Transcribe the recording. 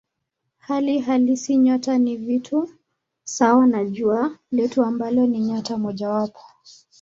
Hali halisi nyota ni vitu sawa na Jua letu ambalo ni nyota mojawapo.